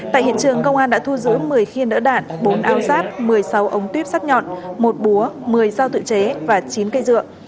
tại hiện trường công an đã thu giữ một mươi khiên đỡ đạn bốn ao giáp một mươi sáu ống tuyếp sắt nhọn một búa một mươi dao tự chế và chín cây dựa